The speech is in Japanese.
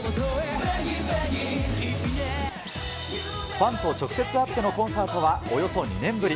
ファンと直接会ってのコンサートはおよそ２年ぶり。